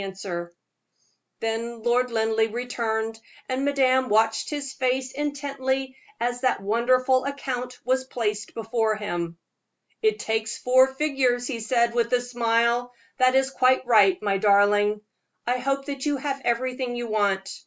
Then Lord Linleigh returned, and madame watched his face intently as that wonderful account was placed before him. "It takes four figures," he said, with a smile; "that is quite right, my darling. I hope that you have everything you want.